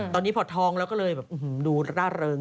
ตอนนี้พอทองแล้วก็เลยแบบอื้อหืมดูร่าเริง